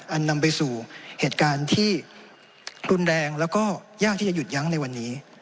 นำไปสู่เหตุการณ์ที่รุนแรงแล้วก็ยากที่จะหยุดยั้งในวันนี้